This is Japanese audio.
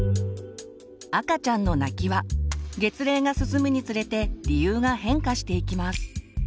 赤ちゃんの泣きは月齢が進むにつれて理由が変化していきます。